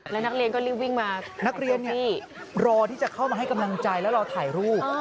แล้วนักเรียนก็รีบวิ่งมานักเรียนนี่รอที่จะเข้ามาให้กำลังใจแล้วรอถ่ายรูป